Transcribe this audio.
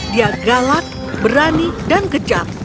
dia galak berani dan kejam